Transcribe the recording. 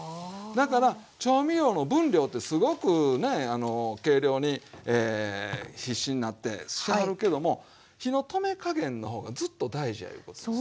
だから調味料の分量ってすごくねあの計量に必死になってしはるけども火の止め加減の方がずっと大事やいうことですよ。